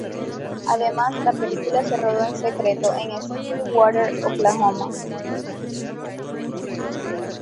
Además, la película se rodó en secreto en Stillwater, Oklahoma.